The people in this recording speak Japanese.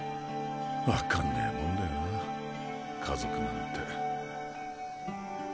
わかんねぇもんだよな家族なんて。